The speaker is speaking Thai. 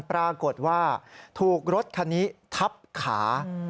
ปรากฏว่าถูกรถคันนี้ทับขา